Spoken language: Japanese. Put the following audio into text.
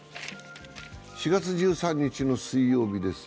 ４月１３日の水曜日です。